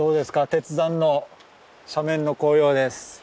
鉄山の斜面の紅葉です。